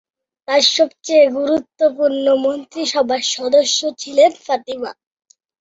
তার সবচেয়ে গুরুত্বপূর্ণ মন্ত্রিসভার সদস্য ছিলেন ফাতিমা।